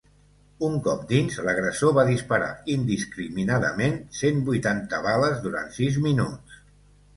Un cop dins, l’agressor va disparar indiscriminadament cent vuitanta bales durant sis minuts.